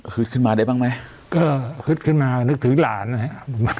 คืดขึ้นมาได้บ้างไหมก็คืดขึ้นมานึกถึงหลานเนี้ย